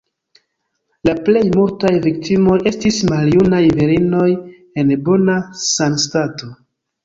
La plej multaj viktimoj estis maljunaj virinoj en bona sanstato.